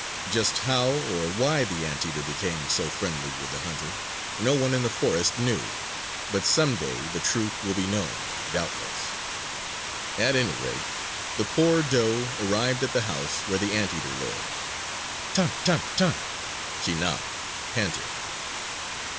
Just how or why the Anteater became so friendly with the hunter, no one in the forest knew; but some day the truth will be known, doubtless. At any rate, the poor doe arrived at the house where the Anteater lived. "Tan! Tan! Tan!" she knocked, panting.